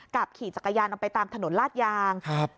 ขี่จักรยานออกไปตามถนนลาดยางครับ